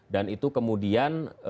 dan itu kemudian